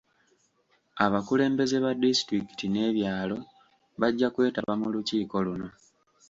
Abakulembeze ba disitulikiti n'ebyalo bajja kwetaba mu lukiiko luno.